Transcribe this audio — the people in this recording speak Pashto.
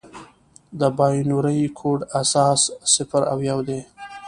د بایونري کوډ اساس صفر او یو دی.